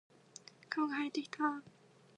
顔が腫れてきた。